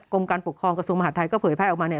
กรมการปกครองกระทรวงมหาดไทยก็เผยแพร่ออกมาเนี่ย